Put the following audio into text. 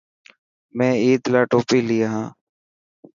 مين عيد لاءِ ٽوپي لي هان.